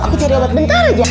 aku cari obat bentar aja